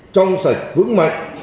trong sạch vững mạnh